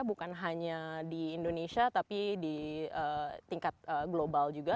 bukan hanya di indonesia tapi di tingkat global juga